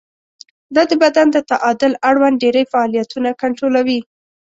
دا د بدن د تعادل اړوند ډېری فعالیتونه کنټرولوي.